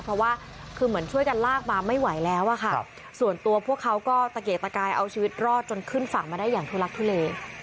เพราะว่าคือเหมือนช่วยกันลากมาไม่ไหวแล้วอะค่ะส่วนตัวพวกเขาก็ตะเกียกตะกายเอาชีวิตรอดจนขึ้นฝั่งมาได้อย่างทุลักทุเล